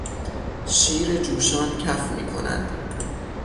شیر جوشان کف میکند.